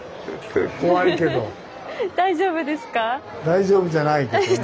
大丈夫ですか？